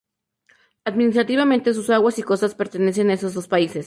Administrativamente, sus aguas y costas pertenecen a esos dos países.